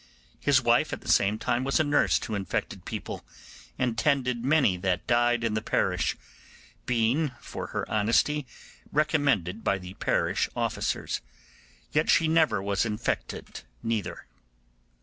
His wife at the same time was a nurse to infected people, and tended many that died in the parish, being for her honesty recommended by the parish officers; yet she never was infected neither.